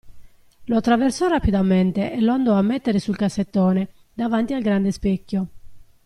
Lo attraversò rapidamente e lo andò a mettere sul cassettone, davanti al grande specchio.